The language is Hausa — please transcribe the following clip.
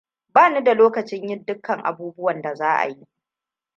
Bani da lokacin yin dukkan abubuwan da za'ayi.